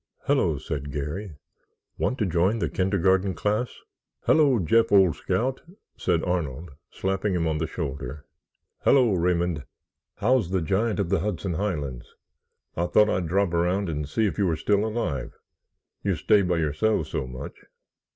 "Hello," said Garry; "want to join the kindergarten class?" "Hello, Jeff, old scout!" said Arnold, slapping him on the shoulder. "Hello, Raymond, how's the giant of the Hudson Highlands? I thought I'd drop around and see if you were still alive—you stay by yourselves so much."